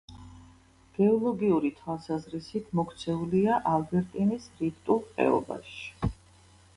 გეოლოგიური თვალსაზრისით მოქცეულია ალბერტინის რიფტულ ხეობაში.